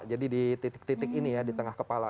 jadi di titik titik ini ya di tengah kepala